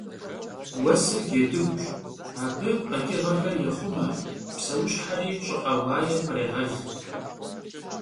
Vuesır cedıguş: abı kheç'ığexer yêxhume, pseuşheri ş'ı'e vuaêm khrêğel.